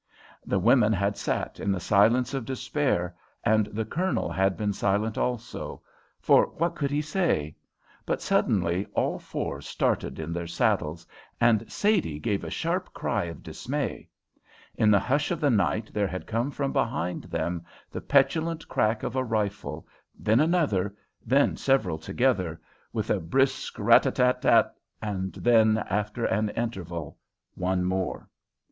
The women had sat in the silence of despair, and the Colonel had been silent also for what could he say? but suddenly all four started in their saddles, and Sadie gave a sharp cry of dismay. In the hush of the night there had come from behind them the petulant crack of a rifle, then another, then several together, with a brisk rat tat tat, and then, after an interval, one more.